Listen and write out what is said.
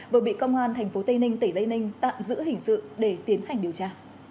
vừa bị công an tp tây ninh tỉnh tây ninh tạm giữ hình sự để tiến hành điều tra